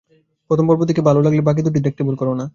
প্রথম পর্ব দেখে ভালো লাগলে বাকি দুটো দেখতে ভুল করো না।